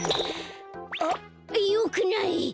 あっよくない！